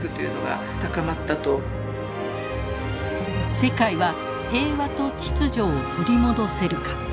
世界は平和と秩序を取り戻せるか。